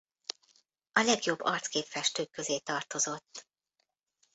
A legjobb arckép festők közé tartozott.